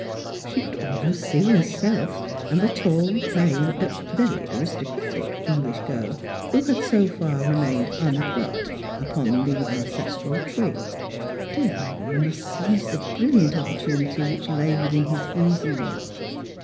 She could almost see herself and the tall, plain (but very aristocratic) English girl, who had so far remained unplucked upon the ancestral tree. Dear Gregory must seize the brilliant opportunity which lay within his easy reach.